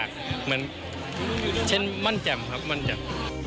เหมือนเช่นมั่นแจ่มครับมันแจ่ม